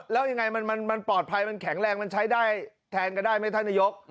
แล้วยังไงมันปลอดภัยมันแข็งแรงมันใช้ได้แทนกันได้ไหมท่านนายก